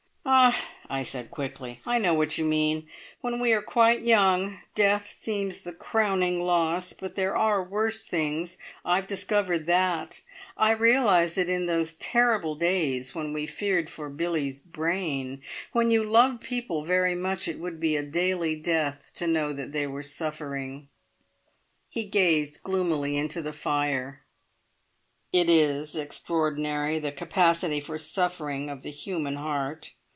"Ah," I said quickly, "I know what you mean. When we are quite young, death seems the crowning loss, but there are worse things I've discovered that! I realised it in those terrible days when we feared for Billie's brain. When you love people very much, it would be a daily death to know that they were suffering." He gazed gloomily into the fire. "It is extraordinary the capacity for suffering of the human heart!